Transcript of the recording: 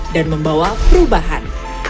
dan membawa perubahan